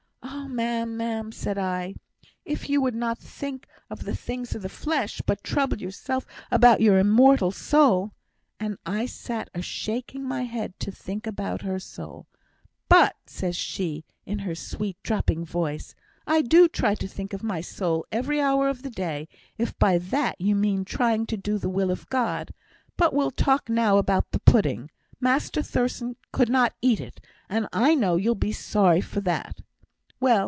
'Oh, ma'am, ma'am,' said I, 'if you would not think of the things of the flesh, but trouble yourself about your immortal soul.' And I sat a shaking my head to think about her soul. 'But,' says she, in her sweet dropping voice, 'I do try to think of my soul every hour of the day, if by that you mean trying to do the will of God, but we'll talk now about the pudding; Master Thurstan could not eat it, and I know you'll be sorry for that.' Well!